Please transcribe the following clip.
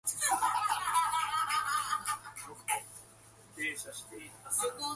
He used the game of throwing dice to understand the basic concepts of probability.